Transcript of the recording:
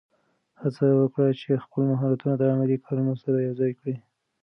هڅه وکړه چې خپل مهارتونه د عملي کارونو سره یوځای کړې.